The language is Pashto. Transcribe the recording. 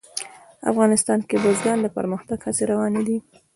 افغانستان کې د بزګان د پرمختګ هڅې روانې دي.